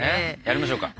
やりましょうか。